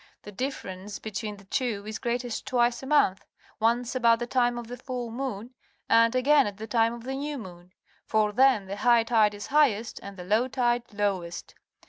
The differ ence between the two is greatest twice a month — once, about the time of the full moon, and again at the time of the new moon, for then the high tide is highest and the low tide lowest.